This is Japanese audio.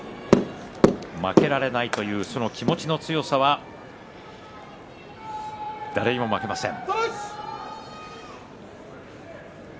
負けられないというその気持ちの強さは誰にも負けません。